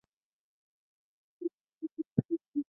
沙河口神社的分社有稻荷神社和惠比寿神社。